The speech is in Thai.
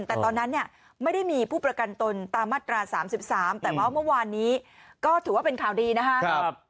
แต่ตอนนั้นเนี่ยไม่ได้มีผู้ประกันตนตามมาตรา๓๓แต่ว่าเมื่อวานนี้ก็ถือว่าเป็นข่าวดีนะครับ